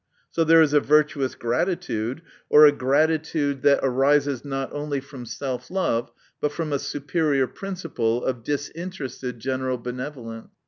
So there is a virtuous gratitude, or a gratitude that arises not only from self love, but from a superior principle of disinterested general benevolence.